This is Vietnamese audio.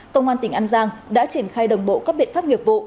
công an tỉnh an giang đã triển khai đồng bộ các biện pháp nghiệp vụ